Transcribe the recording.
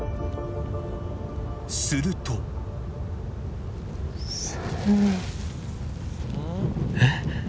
するとえっ？